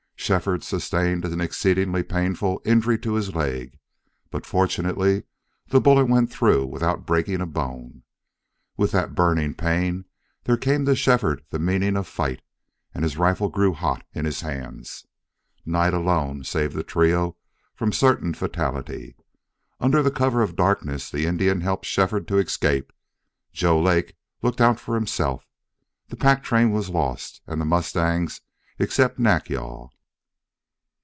Shefford sustained an exceedingly painful injury to his leg, but, fortunately, the bullet went through without breaking a bone. With that burning pain there came to Shefford the meaning of fight, and his rifle grew hot in his hands. Night alone saved the trio from certain fatality. Under the cover of darkness the Indian helped Shefford to escape. Joe Lake looked out for himself. The pack train was lost, and the mustangs, except Nack yal.